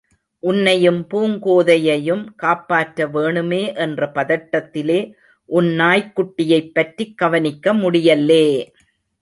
உன்னையும் பூங்கோதையையும் காப்பாற்ற வேணுமே என்ற பதட்டத்திலே, உன் நாய்க்குட்டியைப் பற்றிக் கவனிக்க முடியல்லே.